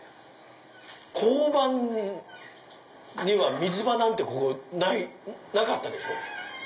交番には水場なんてなかったでしょ？